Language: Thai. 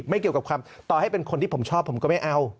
ไม่เกี่ยวกับความต่อให้เป็นคนที่ผมชอบผมก็ไม่เอา